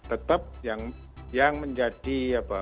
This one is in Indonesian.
tetap yang menjadi